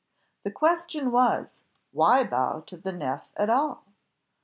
The question was, why bow to the Nef at all?